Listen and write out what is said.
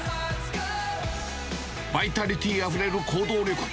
バイタリティーあふれる行動力。